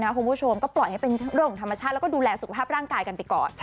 ให้ไม่เป็นการกดดัน